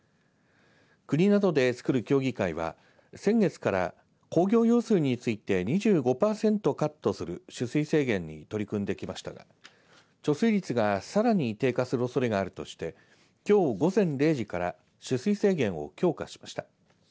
国などで作る協議会は先月から工業用水について２５パーセントカットする取水制限に取り組んできましたが貯水率がさらに低下するおそれがあるとしてきょう午前０時から取水制限を強化しました。